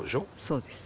そうです。